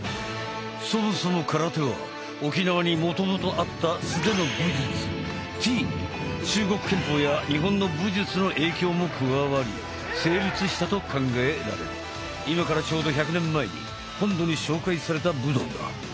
そもそも空手は沖縄にもともとあった素手の武術「手」に中国拳法や日本の武術の影響も加わり成立したと考えられ今からちょうど１００年前に本土に紹介された武道だ。